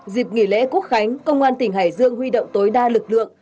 dịp nghỉ lễ quốc khánh công an tỉnh hải dương huy động tối đa lực lượng